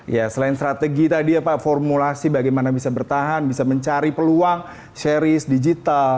ya selain strategi tadi ya pak formulasi bagaimana bisa bertahan bisa mencari peluang series digital